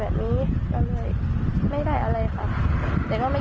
เชิงชู้สาวกับผอโรงเรียนคนนี้